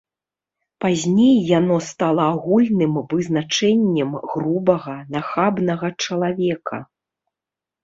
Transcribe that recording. Пазней яно стала агульным вызначэннем грубага, нахабнага чалавека.